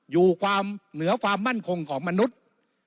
อยู่ความเหนือความมั่นคงของมนุษย์